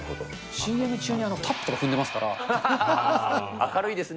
ＣＭ中にタップとか踏んでま明るいですね。